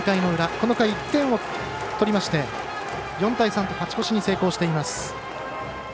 この回、１点を取りまして４対３と勝ち越しに成功しています。